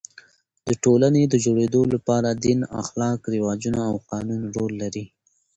د ټولني د جوړېدو له پاره دین، اخلاق، رواجونه او قانون رول لري.